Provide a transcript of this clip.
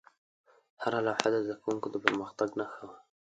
هره لوحه د زده کوونکو د پرمختګ نښه وه.